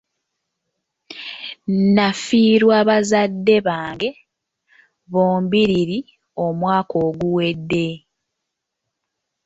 Nafiirwa bazadde bange bombiriri omwaka oguwedde.